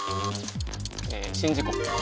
え宍道湖。